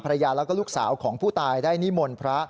ภรรยาแล้วก็ลูกสาวของผู้ตายได้นิมนต์พระ